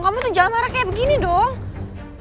kamu tuh jalan marah kayak begini dong